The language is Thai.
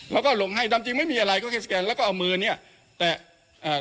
แล้วก็ลงให้ดำจริงไม่มีอะไรก็แค่สแกนแล้วก็เอามือเนี้ยแตะอ่า